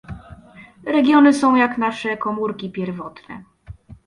Regiony są jak nasze komórki pierwotne